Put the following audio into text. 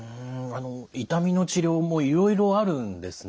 痛みの治療もいろいろあるんですね。